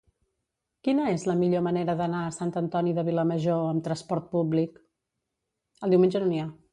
Quina és la millor manera d'anar a Sant Antoni de Vilamajor amb trasport públic?